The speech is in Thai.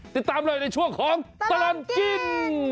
ติดตามเลยในช่วงของตลอดกิน